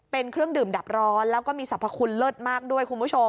เป็นเครื่องดื่มดับร้อนแล้วก็มีสรรพคุณเลิศมากด้วยคุณผู้ชม